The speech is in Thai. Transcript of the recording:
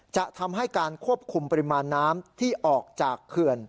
จะทำให้การควบคุมปริมาณน้ำที่ออกจากเขื่อน